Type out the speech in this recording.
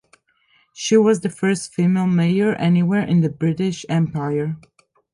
She was the first female mayor anywhere in the British Empire.